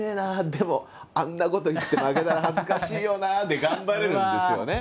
でもあんなこと言って負けたら恥ずかしいよな」で頑張れるんですよね。